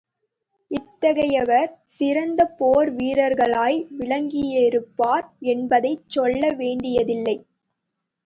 இத்தகையவர், சிறந்த போர் வீரர்களாய் விளங்கியிருப்பர் என்பதைச் சொல்ல வேண்டியதில்லை.